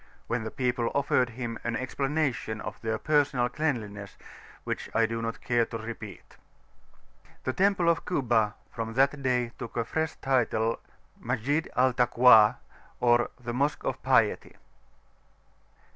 when the people offered him an explanation of their personal cleanliness which I do not care to repeat. The temple of Kuba from that day took a fresh title Masjid al Takwa, or the "Mosque of Piety."